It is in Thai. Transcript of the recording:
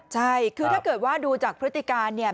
ใช่คือถ้าเกิดว่าดูจากพฤติการเนี่ย